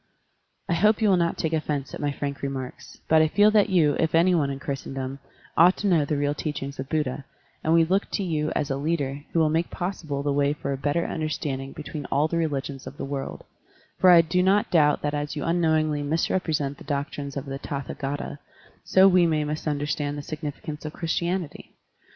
I hope you will not take offense at my frank remarks, but I feel that you, if any one in Chris tendom, ought to know the real teachings of Buddha, and we look to you as a leader who will make possible the way for a better understanding between all the religions of the world, for I do not doubt that as you unknowingly misrepresent the doctrines of the Tathdgata, so we may mis tinderstand the significance of Christianity.